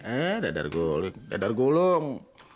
eh dadar dadar gulung